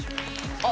あっ。